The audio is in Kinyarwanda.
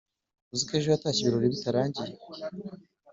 uziko ejo yatashye ibirori bitarangiye"